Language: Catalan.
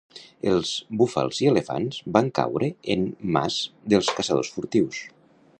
Els Búfals i elefants van caure en mas dels caçadors furtius.